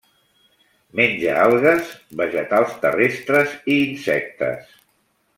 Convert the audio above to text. Menja algues, vegetals terrestres i insectes.